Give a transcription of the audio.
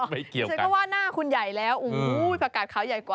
ผมคิดว่าหน้าคุณใหญ่แล้วพวกรับขเขาใหญ่กว่า